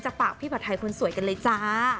ปากพี่ผัดไทยคนสวยกันเลยจ้า